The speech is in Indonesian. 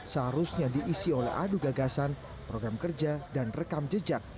seharusnya diisi oleh adu gagasan program kerja dan rekam jejak